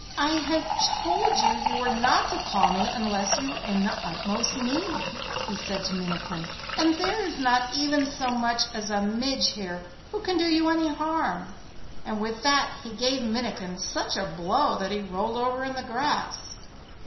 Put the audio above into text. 'I told you that you were not to call me unless you were in the utmost need,' he said to Minnikin, 'and there is not even so much as a midge here who can do you any harm!' and with that he gave Minnikin such a blow that he rolled over on the grass.